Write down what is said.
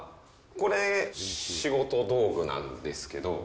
これ、仕事道具なんですけど。